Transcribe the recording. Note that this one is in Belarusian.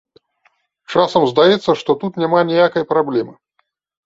Часам здаецца, што тут няма ніякай праблемы.